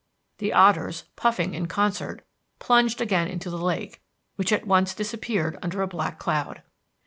The otters, puffing in concert, plunged again into the lake, which at once disappeared under a black cloud.